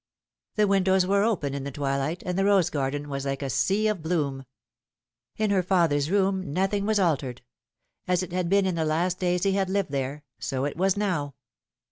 The windows were open in the twilight, and the rose garden was like a sea of bloom. In her father's room nothing was altered. As it had been in the last days he had lived there, so it was now.